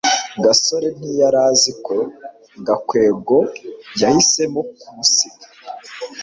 gasore ntiyari azi ko gakwego yahisemo kumusiga